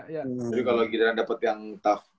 jadi kalau giliran dapet yang tough